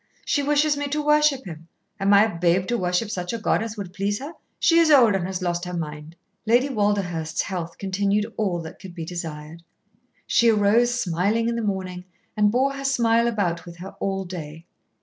She wishes me to worship him. Am I a babe to worship such a god as would please her. She is old, and has lost her mind." Lady Walderhurst's health continued all that could be desired. She arose smiling in the morning, and bore her smile about with her all day.